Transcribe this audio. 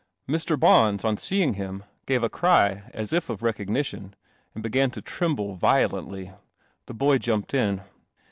Mr. Bons, on seeing him, gave a cry as if of re cognition, and began to tremble violently. The boy jumped in.